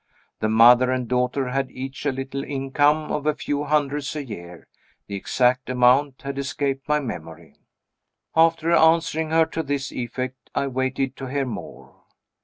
The mother and daughter had each a little income of a few hundreds a year. The exact amount had escaped my memory. After answering her to this effect, I waited to hear more.